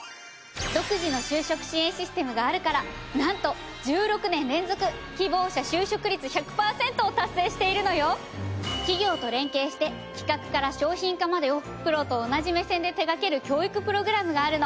独自の就職支援システムがあるからなんと企業と連携して企画から商品化までをプロと同じ目線で手掛ける教育プログラムがあるの。